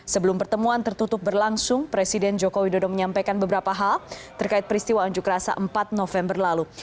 sebelum pertemuan tertutup berlangsung presiden jokowi dodo menyampaikan beberapa hal terkait peristiwa unjuk rasa empat november lalu